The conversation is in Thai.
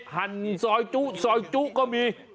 หั่นซอยจุซอยจุก็มี